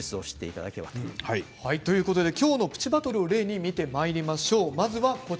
今日のプチバトルを例に見てまいりましょう。